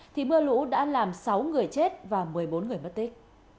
thì mưa lũ đã làm sáu người chết và một mươi bốn người mất tích